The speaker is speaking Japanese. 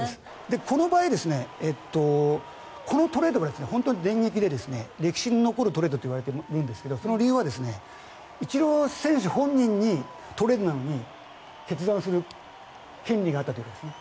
この場合このトレードが本当に電撃で歴史に残るトレードといわれているんですがその理由はイチロー選手本人にトレードなのに決断する権利があったということです。